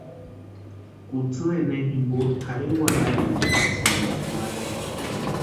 Kutsi eneru jimpo tʼarhe warharhiicha jamasïntiksï warhani.